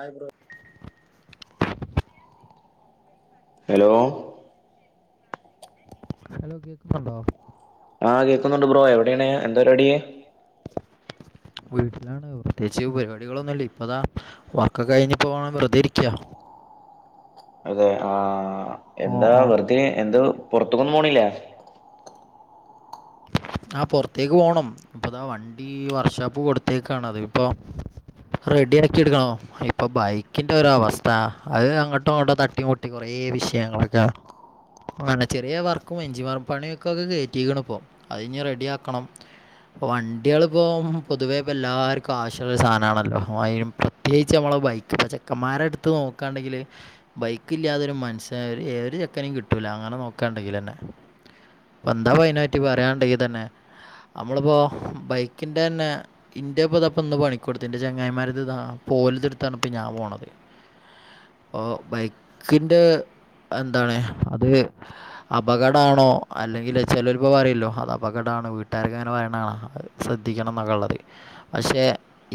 ആ bro hello hello കേക്കുന്നുണ്ടോ ആഹ് കേക്കുന്നുണ്ട് ബ്രോ എവിടെയാണ് എന്താ പരിാടിയ [inaudible] വീട്ടിലാണ് പ്രത്യേകച്ച് പരിപാടികളൊന്നുംല്ല ഇപ്പതാ വർക്ക കഴിഞ്ഞിപ്പോണം വെറുതെ ഇരിക്കാ അതെ ആ എന്താ വെറുതെ എന്ത് പുറത്തക്കൊന്നും പോണല്ലേ ആ പുറത്തേക്ക് പോണം ഇപ്പതാ വണ്ടി വർക്ക്ഷാപ്പ് കൊടുത്തേക്കാണ് അത് ഇപ്പൊ റെഡിക്കി എടുക്കണോ ഇപ്പൊ ബൈക്കിന്റെ ഒ അവസ്ഥ അത് അങ്ങോട്ടും അങ്ങോട്ടോ തട്ടിങ്ങോട്ടി കുറേ വിഷയങ്ങളൊക്കെ അ ചെറിയ വർക്കും എഞ്ചിമർ പണിയൊക്കെ ഒക്കെ കറ്റിരിക്കണ ഇപ്പ അത്ഞ് റെഡി ആക്കണം അപ്പ വണ്ടികള് പോക്പ പൊതുവേ ഇപ്പ എല്ലാവർക്കും ആശുള്ള ഒരു സാധനമാണല്ലോ അ പ്രത്യേകിച്ച് നമ്മള ബൈക്ക് പ ചെക്കന്മാരെ എടുത്ത് നോക്കുകയാണ്ടെങ്കില് ബൈക്ക ഇല്ലാതൊരു മനസ്സന് ഒരു ഏ ഒരു ചെക്കനും കിട്ടൂല അങ്ങനെ നോക്കാണ്ടെങ്കിൽന്നെ വന്താപ്പ അയിതിന പറ്റി പറയണ്ടെങ്കിൽ തന്നെ നമ്മളിപ്പോ ബൈക്കിന്റെ തന്നെ ഇന്റെപ്പതപ്പ ഇന്ന് പണിക്കൊടുത്ത് എന്റെ ചങ്ങായിമാര് ഇ പോലത്തെ എടുത്താണ് ഇപ്പൊ ഞാൻ പോണത് ഓ ബൈക്കിന്റെ എന്താണ് അത് അപകടണോ അല്ലെങ്കില് ചെലരിപ്പ പറിയല്ലോ അത പകടാണ് വീട്ടാരൊക്കെ പറയ്ണാണ ശ്രദ്ധിക്കണം ന്നൊക്കെള്ളത് പഷേ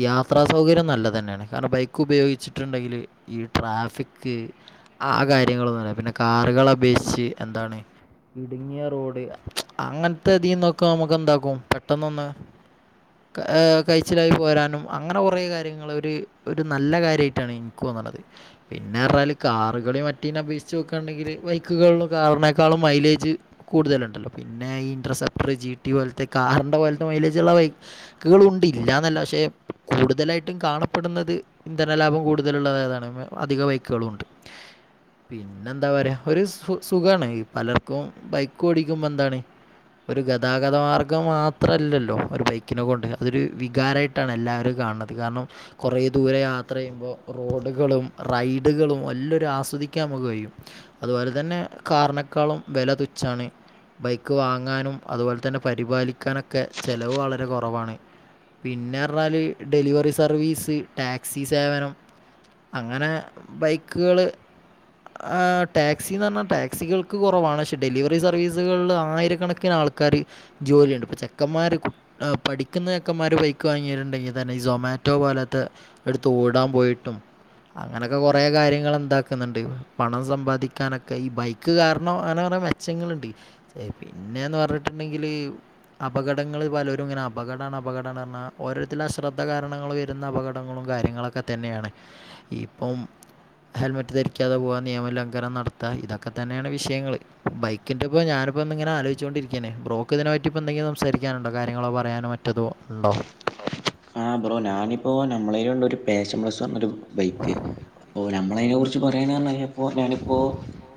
യാത്രാ സൗകര്യം നല്ലതന്നെണ് കാരണം ബൈക്ക് ഉപയോഗിച്ട്ടുണ്ടെങ്കില് ഈ ട്രാഫിക് ആ കാര്യങ്ങളൊന്ന പിന്നെ കാറുകള പേഷ്ച്ച് എന്താണ് ഇടിങ്ങിയ റോഡ് അങ്ങനത്തെ തിന്നൊക്കെ നമക്ക് എന്താക്കും പെട്ടെന്നൊന്ന് ഏ കയ്ച്ചിലായി പോരാനും അങ്ങനെ കൊറേ കാര്യങ്ങളൊര് ഒര് നല്ല കാര്യായിട്ടാണ് ഇൻ ക്കൊണത് പിന്നെറ്ഞ്ഞാല് കാറ്കളീം മറ്റേനി അപേക്ഷിച്ച് നോക്കാണ്ടെങ്കില് ബൈക്കുകളും കാറ്ണേക്കാളും മൈലേജ് കൂട്തലുണ്ടല്ലോ പിന്നെ ഈ ഇന്റർസെപ്റ്റർ ജിടി പോലത്തെ കാറിന്റെ പോലത്തെ മൈലേജ്ള്ള ബൈ ക്ക്കളുണ്ട് ഇല്ലാന്നല്ല ക്ഷേ കൂടുതലായിട്ടും കാണപ്പെടുന്നത് ഇന്ധന ലാഭം കൂടുതലുള്ള ഏതാണ് അധിക ബൈക്കുകളും ഉണ്ട്. പിന്നെന്താ പറ്യാ ഒരു സു സുഖാണത് പലർക്കും ബൈക്ക് ഓടിക്കുമ്പോന്താണ് ഒരു ഗതാഗത മാർഗ്ഗം മാത്രല്ലല്ലോ ഒരു ബൈക്കിനെ കൊണ്ട് അതൊരു വികാരായ് ട്ടാണ് എല്ലാവരും കാണ്ന്നത് കാരണം കൊറെ ദൂരെ യാത്രയ്യുമ്പോ റോഡുകളും റൈഡുകളും എല്ലൊര് ആസ്വദിക്കാ നമക്ക് കഴിയും. അത്പോലെ തന്നെ കാറ്ണെക്കാളും വെല തുച്ഛാണ് ബൈക്ക് വാങ്ങാനും അതുപോലെ തന്നെ പരിപാലിക്കാനൊക്കെ ചെലവ് വള രെ കൊറവാണ് പിന്നെറ്ഞ്ഞാല് ഡെലിവറി സർവീസ് ടാക്സി സേവനം അങ്ങനെ ബൈക്ക്കള് ഏ ടാക്സിന്ന്റ്ഞ്ഞാ ടാക്സികൾക്ക് കൊറവാണ് ക്ഷെ ഡെലിവറി സർവീസുകള്ല് ആയിരക്കണക്കിന് ആൾ ക്കാര് ജോലിയുണ്ട് ഇപ്പ ചെക്കന്മാര് ഏ പഠിക്ക്ന്ന ചെക്കന്മാര് ബൈക്ക് വാങ്ങിയിട്ട്ണ്ടെങ്കി തന്നെ ഈ സൊമാറ്റോ പോലത്തെ ഇട്ത്തോടാ പോയിട്ടും അങ്ങനൊക്കെ കൊറെ കാര്യങ്ങളെന്താക്ക്ന്ന്ണ്ട് പണം സമ്പാദിക്കാനൊക്കെ ഈ ബൈക്ക് കാരണം അങ്ങനെ കൊറേ മെ ച്ചങ്ങള്ണ്ട് പിന്നെന്ന് പറ്ഞ്ഞ്ട്ട്ണ്ടെങ്കില് അപകടങ്ങള് പലോരും ഇങ്ങനെ അപകടാണ് അപകടാണ്റ്ഞ്ഞാ ഓരോര്ത്തെരെ അശ്രദ്ധ കാരണങ്ങൾ വെ ര്ന്ന അപകടങ്ങളും കാര്യങ്ങളൊക്കെ തന്നെയാണ് ഇപ്പം ഹെൽമെറ്റ് ധരിക്കാതെ പോവ നിയമലംഘനം നടത്ത ഇതൊക്കെ തന്നെയാണ് വിഷയങ്ങള് ബൈക്കിന്റെപ്പ ഞാനിപ്പന്ന്ങ്ങനെ ആലോയ്ച്ചോണ്ടിരി ക്ക്യാണ് ബ്രോക്ക് ഇതിനെ പറ്റി ഇപ്പന്തെങ്കിലും സംസാരിക്കാന്ണ്ടോ കാര്യങ്ങളോ പറയാനോ മറ്റതോ ഇണ്ടോ? ആഹ് ബ്രോ ഞാനിപ്പോ നമ്മളെല്ണ്ടോരു പേഷൻ പ്ലസ് പറ്ഞ്ഞൊരു ബൈക്ക് അപ്പോ നമ്മളയിനെ കുറ് ച്ച് പറയാനറ്ഞ്ഞാല്പ്പോ ഞാനിപ്പോ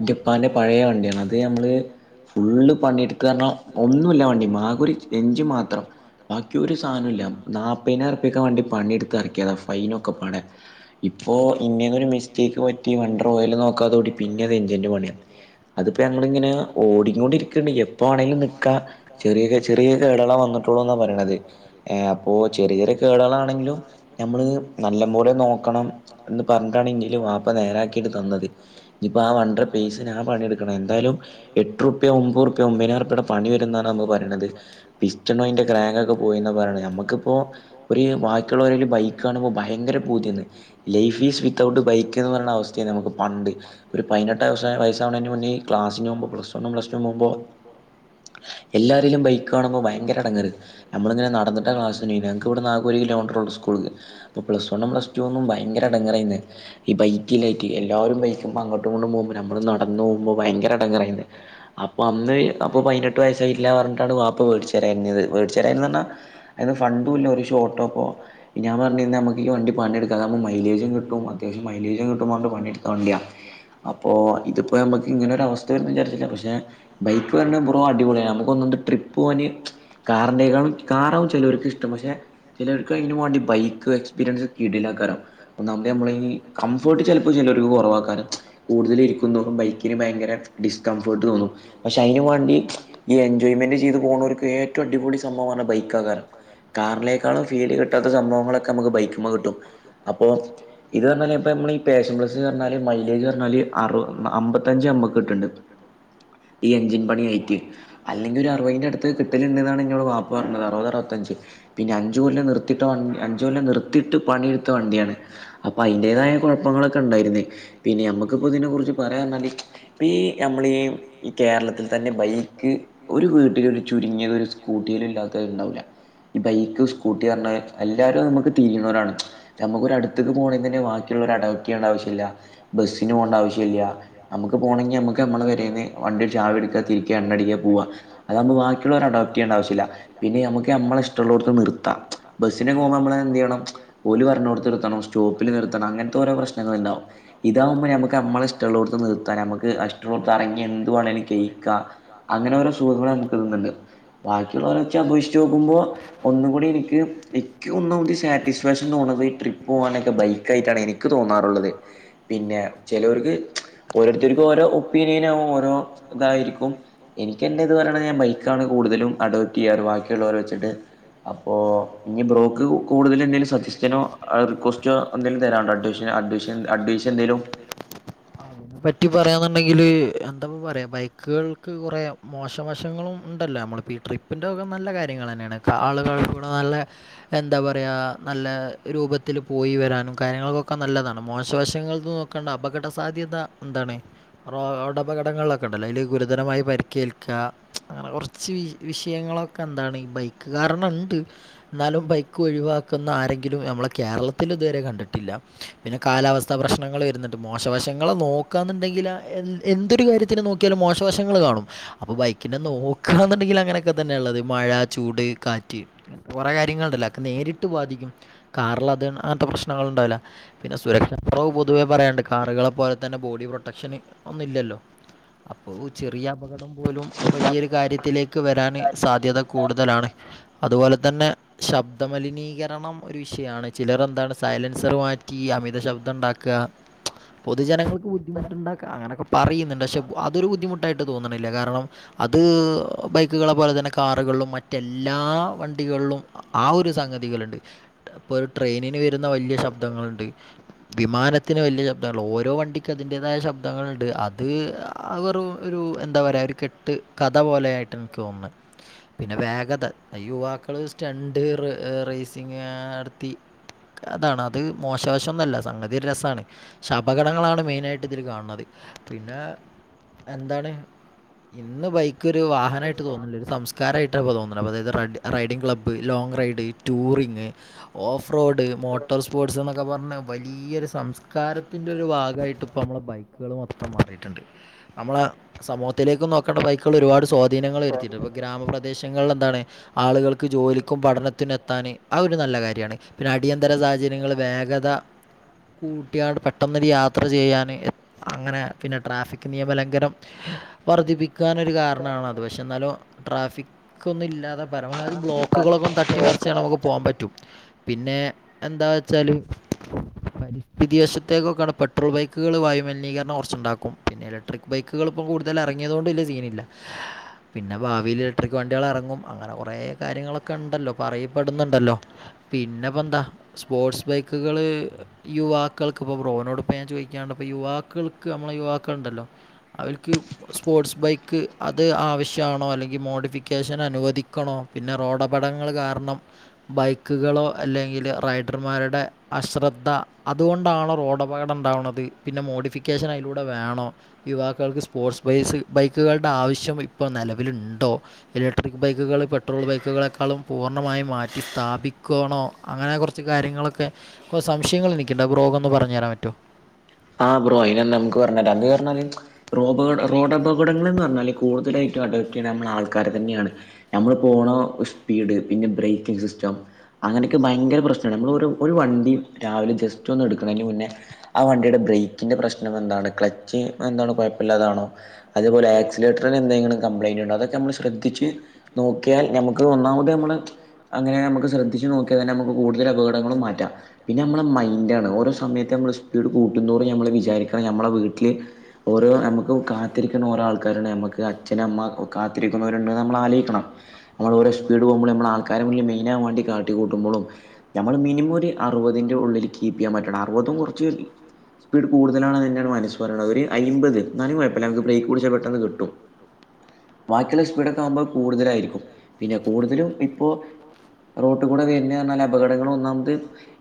ഇന്റെപ്പാന്റ പഴേ വണ്ട്യാണ് അത് നമ്മള് ഫുള്ള് പണിട്ക്കാറ്ഞ്ഞാ ഒന്നുല്ല വണ്ടിമ്മെ ആകൊര് എഞ്ചിൻ മാത്രം ബാക്കി ഒരു സാനുല്ലാ നാപ്പയ്നായിറ്പ്യക്കാ വണ്ടി പണിട്ത്തെറ്ക്കിയാതാ ഫൈനൊക്കെ പാടെ ഇപ്പോ ഇന്റെന്നൊരു മിസ്റ്റേക്ക് പറ്റി വണ്ടർ ഓയിൽ നോക്കാതോടി പിന്നിം അത് എഞ്ചിന്റെ പണ്യാ അത്പ്പ ഞങ്ങള്ങ്ങനെ ഓടിക്കൊണ്ടിരിക്ക്ണ്ട് എപ്പോ വാണേലും നിക്കാ ചെറ്യേ കെ ചെറിയാ കേടെളാ വന്ന്ട്ടോള്ളൂന്നാ പറിണത് ഏ അപ്പോ ചെറിയൊര് കേടെളാണെങ്കിലും ഞമ്മള് നല്ല പോലെ നോക്കണം എന്ന് പറഞ്ഞിട്ടാണ് ഇന്റെല് വാപ്പ നേരാക്കി ട്ട് തന്നത് ഇഞ്ഞ്പ്പോ ആ വണ്ടർ പൈസ ഞാൻ പണിട്ക്കണം എന്തായാലും എട്ടുറ് പ്യാ ഒമ്പൊറ്പ്പ്യ ഒമ്പേനാറ്പ്പ്യെടെ പണി വരുന്നാണന്ന് പറീണത് പിസ്റ്റണും അയിന്റെ ഗ്രങ്ങോക്കെ പോയിന്നാ പറീണെ നമ്മക്ക് പ്പോ ഒര് ബാക്കിയുള്ളോരേല് ബൈക്കാണുമ്പോ ഭയങ്കര പൂതിയന്ന് ലൈഫീസ് വിത്തൌട്ട് ബൈക്ക്ന്ന് പറിണെ അവസ്ഥ്യേ നമക്ക് പണ്ട് ഒരു പയ്നെട്ട് വെയസാ വെയസ്സാവ്ണേന് മുന്ന് ക്ലാസ്സിന് പോവുമ്പോ പ്ലസ് വൺ പ്ലസ് ടു പോവുമ്പോ എല്ലാരെലും ബൈക്ക് കാണുമ്പോ ഭയങ്കര എടങ്ങേറ് നമ്മള്ങ്ങനെ നടന്നിട്ട ക്ലാസ്‌ ഞങ്ങക്ക് ഇവട്ന്ന് ആകൊര് കിലോമീറ്ററോള്ളു സ്കൂള്ക്ക് അപ്പൊ പ്ലസ് വണ്ണും പ്ലസ്റ്റൂന്നും ഭയങ്കര എടങ്ങേറായിന്ന് ഈ ബൈക്കില്ലായിറ്റ് എല്ലാരും ബൈക്ക്മ്മ അങ്ങോട്ടുങ്ങട്ടും പോവുമ്പോ നമ്മള് നടന്നോവുമ്പൊ ഭയങ്കര എടെങ്ങേറായിണ്ട്. അപ്പോ അന്ന് അപ്പൊ പയ്നെട്ട് വയസ്സായിട്ടില്ല പറ്ഞ്ഞ്ട്ടാണ് വാപ്പ വേടിച്ചരാഞ്ഞത് വേടിച്ചെരാഞ്ഞത് പറഞ്ഞാ അയ്ന് ഫണ്ടുല്ല ഒരു ഷൊട്ടോപ്പോ ഞാൻ പറ്ഞ്ഞീന്നെ നമ്മക്ക് ഈ വണ്ടി പണിട്ക്കാ അതാവുമ്പോ മൈലേജും കിട്ടും അത്യാവശ്യ മൈലജും കിട്ടും പറഞ്ഞ്ട്ട് പണിട്ത്ത വണ്ട്യ അപ്പോ ഇത്പ്പോ ഞമ്മക്ക് ഇങ്ങനൊര് അവസ്ഥ വെരുന്ന് വിചാരിച്ചില്ല പക്ഷെ ബൈക്ക് വര്ണ ബ്രോ അടിപൊളിയാ ഞമ്മക്കൊന്നും കി ട്രിപ്പ് പോവാന് കാറിനെക്കാളും കാറാകും ചെലോര്ക്കിഷ്ടം പക്ഷെ ചെലോര്ക്ക് അയ്നുവാണ്ടി ബൈക്ക് എക്സ്പീരിയൻസ് കീടിലാക്കാരം ഒന്നാമത് നമ്മളെ ഈ കം ഫേർട്ട് ചെല്പ്പം ചേലോര്ക്ക് കൊറവാക്കാരം കൂട്തല് ഇരിക്കുന്തോറും ബൈക്കിന് ഭയങ്കര ഡിസ്കംഫേർട്ട് തോന്നും പക്ഷെ അയ്നുവാണ്ടി ഈ എൻജോയ്മെന്റ് ചെയ്ത് പോണോര്ക്ക് ഏറ്റും അടിപൊളി സംഭവ പറഞ്ഞാ ബൈക്കാക്കാരം കാറിനെക്കാളും ഫീഡ് കിട്ടാത്ത സംഭവങ്ങളൊക്കെ നമുക്ക് ബൈക്ക്മ്മ കിട്ടും അപ്പൊ ഇത് പറഞ്ഞാല് ഇപ്പ നമ്മളീ പേഷൻപ്ലസ്‌ സ്‌റ്ഞ്ഞാല് മൈലേജ്റ്ഞ്ഞാല് അറ് അമ്പത്തഞ്ച് ഞമ്മക്ക് കിട്ട്ണ്ട് ഈ എഞ്ചിൻ പണിയായിട്ട് അല്ലെങ്കിൽ ഒരഅറ് വൈന്റട്ത്ത് കിട്ടല്ണ്ട്ന്നാണ് ഇഞ്ഞോട് വാപ്പു പർണത് അറ് വത് അറവത്തഞ്ച് പിന്നെ അഞ്ചു കൊല്ലം നിർത്തിട്ട വൺണ്ട് അഞ്ച കൊല്ലം നിർത്തിട്ട് പണിയിട്ത്ത വണ്ടിയാണ് അപ്പൊ അയിന്റേതായ കൊഴപ്പങ്ങള് ക്കെണ്ടായിര്ന്നേ പിന്നെ ഞമ്മക്ക്പ്പാെ ഇതിനെ കുറിച്ച് പറയാർഞ്ഞാല് ഇപ്പീ ഞമ്മളീ ഈ കേരളത്തിൽ തന്നെ ബൈക്ക് ഒരു വീട്ട്ല് ഒരു ചുരുങ്ങിയത് ഒരു സ്കൂട്ടിയേലും ഇല്ലാത്തത് ഇണ്ടാവൂല ഈ ബൈക്ക് സ്കൂട്ടി അർണാ എല്ലാരും ഇത് മക്ക് തീരിയിണോരാണ് ഞമ്മക്കൊരു അട്ത്ത്ക്ക് പോണെങ്കിൽ തന്നെ വാക്കിയുള്ളോരെ വൈറ്റിയ്യണ്ട ആവശ്യല്ല ബെസ്സിന് പോണ്ട ആവശ്യല്യ നമുക്ക് പോണങ്ങി അമ്മക്ക് അമ്മളെ പെരേന്ന് വണ്ടിടെ ചാവി ഇട്ക്കാ തിരിക്കാ എണ്ണടിക്കാ പൂവാ അതാവുമ്പൊ ബാക്കിയുള്ളോരെ അഡോപ്റ്റിയ്യണ്ട ആവശ്യല്ല പിന്നെ നമുക്ക് ഞമ്മളെഷ് നമ്മള ഇഷ്ടമുള്ളട്ത് നിർത്താം. ബസ്സിനെ പോകുമ്പോ നമ്മൾ എന്ത് ചെയ്യണം ഓല് പറണോർത്ത് നിർത്തണം. സ്റ്റോപ്പിന് നിർത്തണം. ത്ത കൊറേ പ്രശ്നങ്ങള് ഇണ്ടാവും ഇതാവുമ്പാെ ഞമ്മക്ക് അമ്മളെ ഇഷ്ടള്ളോട്ത്ത് നിർത്താ ഞമ്മക്ക് അ ഇഷ്ടാെള്ളോട്ത്ത് അറങ്ങി എന്തുവാണങ്കിലും കെയി ക്ക അങ്ങനെ ഓരോ സുഖങ്ങള് അമ്മക്ക് ഇത് ന്ന്ണ്ട് ബാക്കിയുള്ളോരെ വെച്ച് അപോക്ഷിച്ചു യോക്കുമ്പോ ഒന്നുങ്കൂടി എനിക്ക് ഇക്ക് ഒന്നൂടി സാറ്റിസ്ഫാക്ഷൻ തോന്ന്ണത് ഈ ട്രിപ്പ് പോവാനെക്കെ ബൈക്കൈറ്റാണ് എനി ക്ക് തോന്നാറ്ള്ളത് പിന്നെ ചെലോർക്ക് ഓരോരുത്തര്ക്കും ഓരോ ഒപ്പീനിയനാവും ഓരോ ഇതായിരിക്കും എനിക്ക് എന്റെ ഇത് പറയാണങ്കി ഞാൻ ബൈക്കാണ് കൂടുതലും അഡോപ്റ്റ് ചെയ്യാറ് വാക്കിയുള്ളോരെ വെച്ച്ട്ട് അപ്പോ ഇനി ബ്രോക്ക് കൂട്തല് എന്തേലും സജസ്റ്റനോ ആ റിക്വസ്റ്റോ എന്തേലും തെ തെരാണ്ടോ അഡ്വേഷൻ അഡ്വേഷൻ അഡ്വേഷൻ എന്തേലും ആഹ് ഐനെപറ്റി പറയാന്ന്ണ്ടെങ്കില് എന്താപ്പ പറയാ ബൈക്ക്കൾക്ക് കൊറേ മോശവശങ്ങളും ഇണ്ടല്ലോ അമ്മള് ഈ ട്രിപ്പിന്റൊക്ക നല്ല കാര്യങ്ങളെന്നേണ് ക ആള്കളെകൂടെ നല്ലെ എന്താ പറയാ നല്ല രൂപത്തില് പോയി വെരാനും കാര്യങ്ങൾക്കൊക്ക നല്ലതാണ് മോശവശങ്ങൾത് നോക്കണ്ട അപകട സാധ്യത എന്താണ് റോടപകടങ്ങൾലൊക്കെ ഇണ്ടല്ലോ ഐല് ഗുരുതരമായി പരിക്കേൽക്കാ അങ്ങനെ കൊറ ച്ച് വി വിഷയങ്ങളൊക്കെ എന്താണ് ഇ ബൈക്ക് കാരണം ഇണ്ട് ഇന്നാലും ബൈക്ക് ഒഴിവാക്ക്ന്ന ആരെങ്കിലും ഞമ്മളെ കേരളത്തില് ഇത് വരെ കണ്ട്ട്ടില്ല പിന്നെ കാലാവസ്ഥാ പ്രശ്നങ്ങള് വെര്ന്ന്ണ്ട് മോശവശങ്ങളെ നോക്കാന്ന്ണ്ടെങ്കിലാ എൻ എന്തൊരു കാര്യത്തിനും നോ ക്കിയാലും മോശവശങ്ങള് കാണും അപ്പൊ ബൈക്കിന്റെ നോക്കാന്ന് ഇണ്ടങ്കില് അങ്ങനെയെക്കെ തന്നെ ഇള്ളത് മഴ ചൂട് കാറ്റ് കാെറേ കാര്യങ്ങള് ഇണ്ടല്ലോ ഒക്കെ നേരിട്ട് ബാധിക്കും കാറില് അത് അങ്ങൻത്തെ പ്രശ്നങ്ങള് ഇണ്ടാവൂല പിന്നെ സുരക്ഷാ കൊറവ് പൊതുവേ പറയാണ്ട് കാറ്കളെ പോലെ തന്നെ ബോഡി പ്രൊട്ടക്ഷന് ഒന്നും ഇല്യല്ലോ അപ്പോ ചെറിയ അപകട ടം പോലും വലിയൊര് കാര്യത്തിലേക്ക് വെരാന് സാധ്യത കൂടുതലാണ് അതുപോലെ തന്നെ ശബ്ദമലിനീകരണം ഒര് വിഷയാണ് ചില റെന്താണ് സ് സൈലൻസറ് മാറ്റി അമിത ശബ്ദം ഇണ്ടാക്കാ പൊതുജനങ്ങക്ക് ബുദ്ധിമുട്ട് ഇണ്ടാക്കാ അങ്ങനെയൊക്കെ പറയ്ന്ന്ണ്ട് പക്ഷെ അതൊരു ബുദ്ധിമുട്ടായിട്ട് തോന്ന്ണില്ല കാരണം അത് ബൈക്ക്കളെ പോലെ തന്നെ കാറ്കൾളും മറ്റെല്ലാ വണ്ടികൾളും ആഹ് ഒര് സംഗതികള്ണ്ട് ഇപ്പൊര് ട്രെെനിന് വെര് ന്ന വല്യ ശബ്ദങ്ങള്ണ്ട് വിമാനത്തിന് വല്യ ശബ്ദങ്ങള്ണ്ട് ഓരോ വണ്ടിക്ക് അതിന്റേതായ ശബ്ദങ്ങള്ണ്ട് അ ത് അത് വെറും ഒരു എന്താ പറയാ ഒര്കെട്ട് കഥ പോലെയായിട്ടാണ് ഇക്ക് തോന്ന്ണ് പിന്നെ വേഗത ഇയുവാക്കള് സ്റ്റണ്ട് റ് റൈസിംങ് നടത്തി കഥാണോഅ ത് മോശവശംന്നല്ല സംഗതി ഒര് രസാണ് ക്ഷപകടങ്ങളാണ് മൈനായിട്ട് ഇതില് കാണ്ന്നതേ പിന്നെ എന്താണ് ഇന്ന് ബൈക്ക് ഒരു വാഹനായിട്ട് തോന്ന്ണില്ല ഒര് സംസ്കാരായിട്ടാ ഇപ്പൊ തോന്ന്ണത് അപ്പൊ ഇത് ട്രന്റ് അ riding club long ride touring off road motor സ്പോർട്സ്ന്നക്കെ പർണ വലിയൊര് സംസ്കാരത്തിന്റെ ഒരു ഭാഗായിട്ട് ഇപ്പ അമ്മളെ ബൈക്ക്കള് മൊത്തം മാറിയിട്ട്ണ്ട് അമ്മളെ സമൂഹത്തിലേക്ക് നോക്കണ്ട ബൈക്ക്കള് ഒരുപാട് സ്വാധീനങ്ങള് വെര്ത്തിയിട്ട് ഇപ്പൊ ഗ്രാമപ്രദേശങ്ങൾള് എന്താണ് ആള്കൾക്ക് ജോലിക്കും പഠനത്തിനും എത്താന് അത് ഒരു നല്ല കാര്യാണ് പിന്നെ അടിയന്തര സാഹചര്യ ങ്ങൾലെ വേഗത കൂട്ടിയാണ്ട് പെട്ടെന്നെര് യാത്ര ചെയ്യാന് അങ്ങനെ പിന്നെ ട്രാഫിക് നിയമ ലംഘനം വർദ്ധിപ്പിക്കാനൊര് കാരണാണത് പക്ഷെ എന്നാലും ട്രാഫിക് ഒന്നും ഇല്ലാതെ പരമാവധി ബ്ലോക് ക്ക്കളൊക്കെന്ന് തട്ടിമറിച്ചാണ്ട് നമുക്ക് പോവാംപറ്റും പിന്നെ എന്താ വെച്ചാല് പരിസ്ഥിതി വശത്തേക്കൊക്കെയാണ് പെട്രോൾ ബൈക്കുകൾ വായുമലിനീകരണം കുറച്ചുണ്ടാക്കും പിന്നെ ഇലക്ട്രിക് ബൈക്കുകളിപ്പം കൂടുതൽ ഇറങ്ങിയതൊണ്ട് വലിയ സീനില്ല പിന്നെ ഭാവിയിൽ ഇലക്ട്രിക് വണ്ടികൾ ഇറങ്ങും അങ്ങനെ കുറെ കാര്യങ്ങളൊക്കെ ഉണ്ടല്ലോ പറയപ്പെടുന്നുണ്ടല്ലോ പിന്നെപ്പോ എന്താ സ്പോർട്സ് ബൈക്കുകള് യുവാക്കൾക്ക് ഇപ്പൊ ബ്രോനോട്പ്പ ഞാൻ ചോദിക്കാണ്ട്പ്പൊ യുവാക്കൾക്ക് നമ്മളെ യുവാക്കൾണ്ടല്ലോ അവർക്ക് സ്പോർട്സ് ബൈക്ക് അത് ആവശ്യമാണോ അല്ലെങ്കിൽ മോഡിഫിക്കേഷൻ അനുവദിക്കണോ പിന്നെ റോഡപടങ്ങൾ കാരണം ബൈക്കുകളോ അല്ലെങ്കിൽ റൈഡർമാരുടെ അശ്രദ്ധ അതുകൊണ്ടാണ് റോഡ് അപകടം ഉണ്ടാവുന്നത് പിന്നെ മോഡിഫിക്കേഷൻ അതിലൂടെ വേണം യുവാക്കൾക്ക് സ്പോർട്സ് ബൈസ് ബൈക്കുകളുടെ ആവശ്യം ഇപ്പൊ നിലവിലുണ്ടോ ഇലക്ട്രിക് ബൈക്കുകൾ പെട്രോൾ ബൈക്കുകളെക്കാളും പൂർണ്ണമായും മാറ്റി സ്ഥാപിക്കണോ അങ്ങനെ കുറച്ച് കാര്യങ്ങളൊക്കെ സംശയങ്ങൾ എനിക്കുണ്ട ബ്രോ ഒന്ന് പറഞ്ഞു തരാൻ പറ്റോ ആഹ് ബ്രോ അയിനന്ന നമുക്ക് പറഞ്ഞ എന്ന് പറഞ്ഞാല് റോപക റോഡ് അപകടങ്ങളന്ന് പറഞ്ഞാൽ കൂടുതലായിട്ടും അഡക്റ്റ് ചെയ്യൻാനുള്ള ആൾക്കാർ തന്നെയാണ് നമ്മൾ പോണ സ്പീഡ് പിന്നെ ബ്രേക്കിങ് സിസ്റ്റം അങ്ങനെയൊക്കെ ഭയങ്കര പ്രശ്നമാണ് നമ്മൾ ഒരു വണ്ടി രാവിലെ ജസ്റ്റ് ഒന്ന് എടുക്കണതിന് മുന്നേ ആഹ് വണ്ടിയുടെ ബ്രേക്കിന്റെ പ്രശ്നം എന്താണ് ക്ലച്ച് എന്താണ് കുഴപ്പമില്ലാതാണോ അതുപോലെ ആക്സിലേറ്ററിന് എന്തെലും കപ്ലയിന്റ് ഉണ്ടോതൊക്കെമ്മൾ ശ്രദ്ധിച്ച് നോക്കിയാൽ നമുക്ക് ഒന്നാമത നമ്മള് അങ്ങനെ നമു ശ്രദ്ധിച്ചു നോക്കിയൽ തന്നെ നമു കൂടുതൽ അപകടങ്ങളും മാറ്റാം പിന്നെ നമ്മളെ മൈൻഡാണ് ഓരോ സമയത്ത് നമ്മള് സ്പീഡ് കൂട്ടുന്നോറ നമ്മള് വിചാരിക്കണം നമ്മളെ വീട്ടില് ഓരോ നമുക്ക് കാത്തിരിക്കുന്ന ഓരോ ആൾക്കാരുണ്ട് നമുക്ക് അച്ഛനും അമ്മ കാത്തിരിക്കുന്നവരുണ്ടന്ന് നമ്മൾ ആലോയിക്കണം നമ്മൾ [unintelligible] പോക്മ്പോൾ നമ്മൾക്കാര മുമ്പിൽ മെയ്നാവാൻ വേണ്ടി കാട്ടി കൂട്ടുമ്പോഴും നമ്മൾ മിനിമം ഒരു അറുപതിൻ്റെള്ളിൽ കീപ്പ് ചെയ്യാൻ പറ്റ അറുതും കുറച്ച്ല്ല സ്പീഡ് കൂടുതലണെന്നന്നെയാണ് മനസ്സ് പറയത് ഒരു അമ്പത് നാനും കുഴപ്പമ നമുക്ക് ബ്രേക്ക് കുടിച്ചാ പെട്ടെന്ന് കിട്ടും ബാക്കിയുള്ള സ്പീഡൊക്കെ ആവുമ്പോൾ കൂടുതലായിരിക്കും പിന്നെ കൂടുതലും ഇപ്പോ റോട്ട് കൂടെ വരുന്ന പറഞ്ഞാൽ അപകടങ്ങളൾ ഒന്നാമത്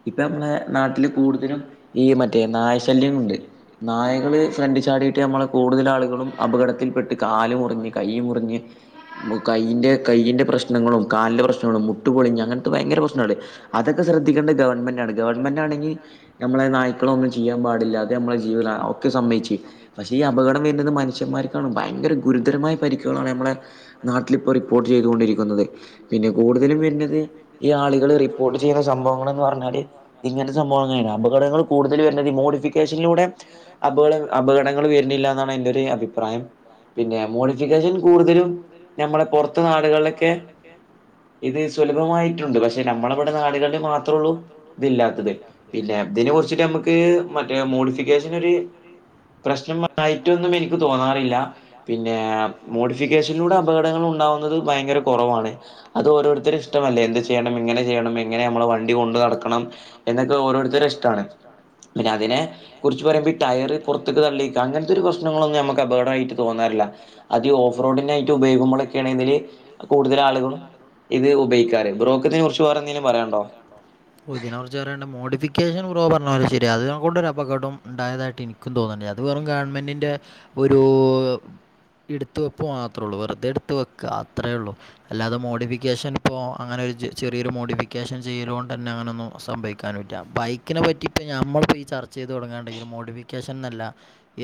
ഇപ്പൊ നമ്മളെ നാട്ടില് കൂടുതലും ഈ മറ്റേ നാ ശല്യങ്ങളുണ്ട് നായകള് ഫ്രണ്ട് ചാടിയിട്ട് നമ്മള കൂടുതൽ ആളുകളും അപകടത്തിൽപ്പെട്ട് കാല് മുറിഞ്ഞ് കൈ മുറിഞ്ഞ് കയ്യിൻ്റെ കയ്യിൻന്റെ പ്രശ്നങ്ങളും കാൽന്റെ പ്രശ്നങ്ങളും മുട്ടു പൊളിഞ്ഞ് അങ്ങനത്തെ ഭയങ്കര പ്രശ്നങ്ങൾ അതൊക്കെ ശ്രദ്ധിക്കേണ്ട ഗവൺമെന്റാണ് ഗവൺമെന്റാണെങ്കിൽ നമ്മളെ നായ്ക്കളൊന്നും ചെയ്യാൻ പാടില്ല [unintelligible] സമ്മയിച്ചു പക്ഷെ ഈ അപകടം വരുന്നത് മനുഷ്യന്മാർക്ക ഭയങ്കര ഗുരുതരമായി പരി നമ്മ നാട്ടിൽപ്പോ റിപ്പോർട്ട് ചെയ്തൊ പിന്നെ കൂടുതലും വരത് ഈ ആളുകൾ റിപ്പോർട്ട് ചെയ്യുന്ന സംഭവങ്ങൾന്ന് പറഞ്ഞാല് ഇങ്ങനത്തെ സംഭവങ്ങളാണ് അപകടങ്ങൾ കൂടുതൽ വരമോ ഷനിലൂടെ അപക അപകടങ്ങൾ വരുന്നില്ല എന്നാണ് എന്റെ ഒരു അഭിപ്രായം പിന്നെ മോഡിഫിക്കേഷൻ കൂടുതലും നഞമ്മളെ പുറത്ത നാടുകളിലൊക്കെ ഇത് സുലഭമായിട്ടുണ്ട് പക്ഷെ നമ്മള ഇവിടെ നാടുകളിൽ മാത്രമേ ഉള്ളൂ ഇതില്ലാത്തത് പിന്നെതിനെ കുറിച്ചിട്ട് നമുക്ക് മറ്റേ മോഡിഫിക്കേഷൻ ഒരു പ്രശ്നമായിട്ടൊന്നും എനിക്ക് തോന്നാറില്ല പിന്നെ മോഡിഫിക്കേഷനിലൂടെ അപകടങ്ങൾ ഉണ്ടാവുന്ന [unintelligible] ഭയങ്കരപ്പൊ കുറവാണ് അത് ഓരോരുത്തർ ഇഷ്ടമല്ല എന്ത് ചെയ്യണം എങ്ങനെ ചെയ്യണം എങ്ങനെ നമ്മള് വണ്ടി കൊണ്ട് നടക്കണം എന്നൊക്കെ ഓരോരുത്തര ഇഷ്ടാണ് പിന്നെ അതിനെ കുറിച്ച് പറയുമ്പോ ടയർ പുറത്തക്ക് തള്ളിക്കാം അങ്ങനത്തെ ഒരു പ്രശ്നങ്ങളൊന്നും നമുക്ക് അപകടയിട്ട് തോന്നാറില്ല അത് ഓഫ്റോഡിനായിട്ട് ഉപയോഗുമ്പോഴൊക്കെയ ആണെങ്കില് കൂടുതൽ ആളുകളും ഇത് ഉപയോഗിക്കാറ് ബ്രോക്ക്ത്തിനെ കുറിച്ച് വേറെ എന്തെങ്കിലും പറണ്ടോ ഓ ഇതിനെക്കുറിച്ച് പറയണ്ട് മോഡിഫിക്കേഷൻ ബ്രോ പറഞ്ഞ പോലെ ശരി അതിനക്കൊണ്ട് ഒരു അപകടും ഇണ്ടായതായിട്ട് എനിക്കും തോന്നണ്ട അത് വെറും ഗവൺമെന്റിന്റെ ഒരു ഇടുത്ത് വെപ്പ് മാത്രേ ഉള്ളൂ വെറുതെ ഇടുത്ത് വയ്ക അത്രേള്ളൂ അല്ലാതെ മോഡിഫിക്കേഷൻ ഇപ്പോൾ അങ്ങനെ ഒരു ചെറിയൊരു മോഡിഫിക്കേഷൻ ചെയല്ല് കൊണ്ടന്നെ അങ്ങനെന്നും സംഭവിക്കും കാനും പറ്റി ബൈക്കിനെ പറ്റിട്ട് നമ്മൾപ്പോ ഇപ്പ ചർച്ച ചെയ്ത് തുടങ്ങാണ്ടെങ്കിൽ മോഡിഫിക്കേഷൻല്ല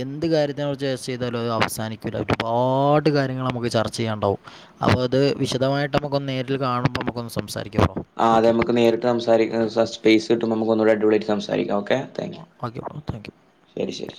എന്ത് കാര്യത്തിനെറിച്ച് ചർച്ച ചെയ്താലും അത് അവസാനിക്കൂല്ല ഒരുപാട് കാര്യങ്ങൾ നമുക്ക് ചർച്ച ചെയ്യാണ്ടാവും അപ്പൊ അത് വിശദമായിട്ട് നമ്മുക്കൊന്ന് നേരിൽ കാണുമ്പോ നമ്മുക്ക് ഒന്ന് സംസാരിക്ക ആ അത് നമുക്ക് നേരിട്ട് സംസാരിക്ക സ സ്പേസ് കിട്ടുമ്പ നമുക്ക് ഒന്നുടെ അടിപൊളിയായിട്ട് സംസാരിക്കാം okay okay, oh thank you. ശരി ശരി